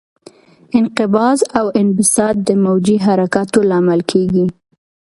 انقباض او انبساط د موجي حرکاتو لامل کېږي.